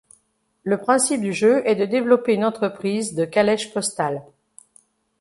Le principe du jeu est de développer une entreprise de calèche postale.